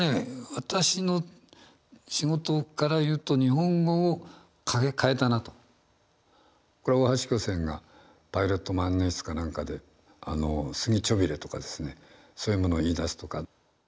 私の仕事からいうとこれ大橋巨泉がパイロット万年筆かなんかで「すぎちょびれ」とかですねそういうものを言いだすとか。